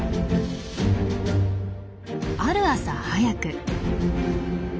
ある朝早く。